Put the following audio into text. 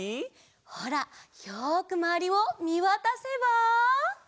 ほらよくまわりをみわたせば。